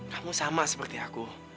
kamu sama seperti aku